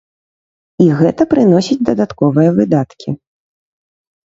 І гэта прыносіць дадатковыя выдаткі.